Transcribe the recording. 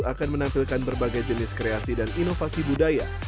akan menampilkan berbagai jenis kreasi dan inovasi budaya